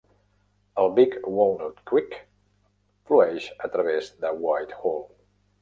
El Big Walnut Creek flueix a través de Whitehall.